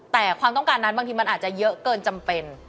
แต่ความต้องการนั้นบางทีมันอาจจะเยอะเกินจำเป็น